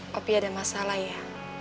papi ada masalah ya